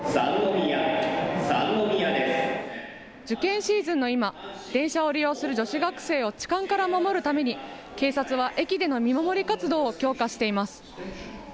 受験シーズンの今、電車を利用する女子学生を痴漢から守るために、警察は駅での見守り活動を強化しています。